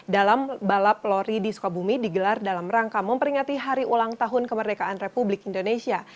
dalam balap lori di sukabumi digelar dalam rangka memperingati hari ulang tahun kemerdekaan republik indonesia